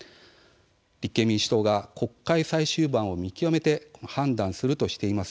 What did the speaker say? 立憲民主党が国会最終盤を見極めて判断するとしています